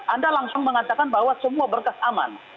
anda langsung mengatakan bahwa semua berkas aman